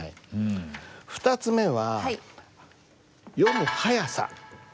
２つ目は「はやさ」？